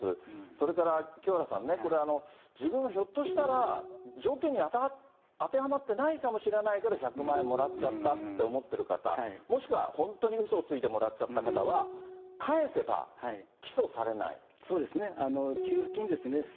それから、清原さんね、これ、自分がひょっとしたら条件に当てはまってないかもしれないけど、１００万円もらっちゃったって思ってる方、もしくは本当にうそをついて、もらっちゃった方は、返せば、起訴されない。